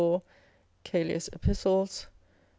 Caelia's epistles, Tho.